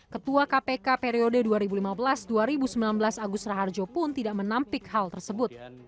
ketua kpk periode dua ribu lima belas dua ribu sembilan belas agus raharjo pun tidak menampik hal tersebut